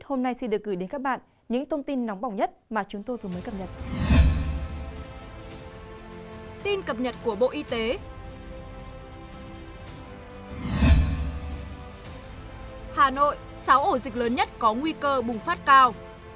hà nội sáu ổ dịch lớn nhất có nguy cơ bùng phát cao